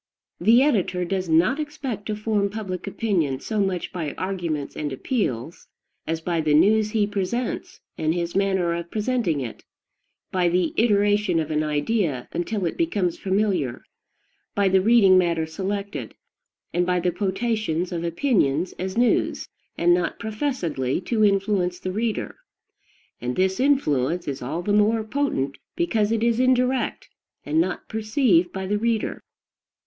The editor does not expect to form public opinion so much by arguments and appeals as by the news he presents and his manner of presenting it, by the iteration of an idea until it becomes familiar, by the reading matter selected, and by the quotations of opinions as news, and not professedly to influence the reader. And this influence is all the more potent because it is indirect, and not perceived by the reader.